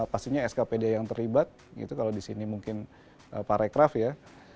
pastinya skpd yang terlibat gitu kalau disini mungkin para aircraft ya